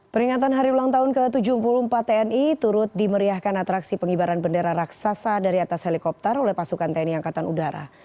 peringatan hari ulang tahun ke tujuh puluh empat tni turut dimeriahkan atraksi pengibaran bendera raksasa dari atas helikopter oleh pasukan tni angkatan udara